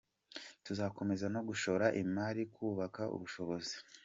Tuzakomeza no gushora imari mu kubaka ubushobozi.